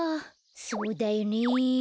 そうだよね。